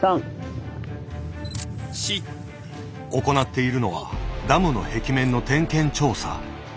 行っているのはダムの壁面の点検調査。